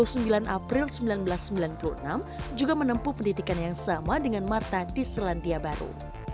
dua puluh sembilan april seribu sembilan ratus sembilan puluh enam juga menempuh pendidikan yang sama dengan mata di selandia baru